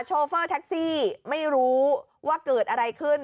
โฟเฟอร์แท็กซี่ไม่รู้ว่าเกิดอะไรขึ้น